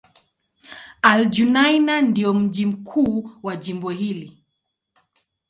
Al-Junaynah ndio mji mkuu wa jimbo hili.